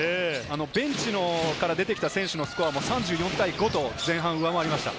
ベンチから出てきた選手のスコアも３４対５と前半上回りました。